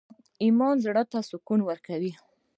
ایمان زړه ته سکون ورکوي؟